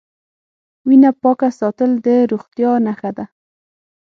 وینه پاکه ساتل د روغتیا نښه ده.